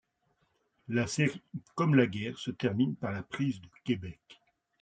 La série, comme la guerre, se termine par la prise de Québec.